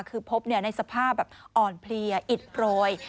คือพบในสภาพแบบอ่อนเพลียอิดโรย